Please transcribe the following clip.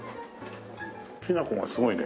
きなこがすごいね。